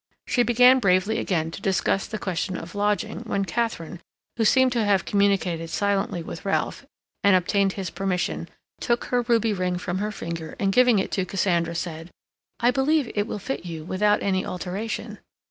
She began bravely again to discuss the question of lodging when Katharine, who seemed to have communicated silently with Ralph, and obtained his permission, took her ruby ring from her finger and giving it to Cassandra, said: "I believe it will fit you without any alteration."